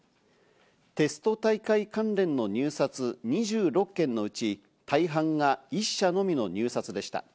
テスト大会関連の入札２６件のうち、大半が１社のみの入札でした。